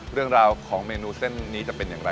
เรื่องราวของเมนูเส้นนี้จะเป็นอย่างไร